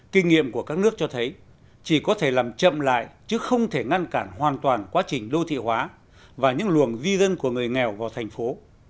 kinh nghiệm của các nước cho thấy chỉ có thể làm chậm lại chứ không thể ngăn cản hoàn toàn quá trình đô thị hóa và những luồng di dân của người nghèo vào thành phố